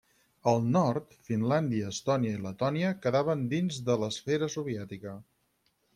Al nord, Finlàndia, Estònia i Letònia quedaven dins de l'esfera soviètica.